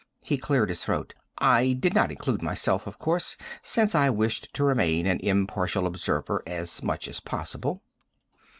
He cleared his throat. "I did not include myself, of course, since I wished to remain an impartial observer, as much as possible."